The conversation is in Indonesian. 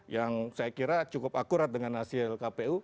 yang saya kira cukup akurat dengan hasil kpu